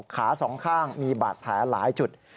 สองข้างมีบาดแผลหลายจุด